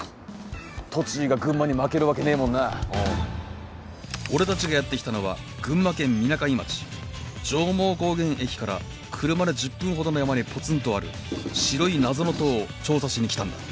栃木が群馬に負けるわけねえもんな俺達がやってきたのは群馬県・みなかみ町上毛高原駅から車で１０分ほどの山にポツンとある白い謎の塔を調査しに来たんだ